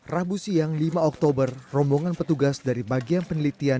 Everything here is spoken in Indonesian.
rabu siang lima oktober rombongan petugas dari bagian penelitian